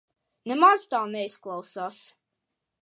Nemaz tā neizklausās.